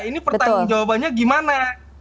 ini pertanyaan jawabannya gimana